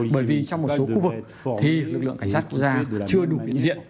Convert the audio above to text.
bởi vì trong một số khu vực thì lực lượng cảnh sát quốc gia chưa đủ hiện diện